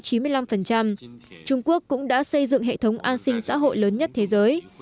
trung quốc cũng đã xây dựng hệ thống an sinh xã hội lớn nhất thế giới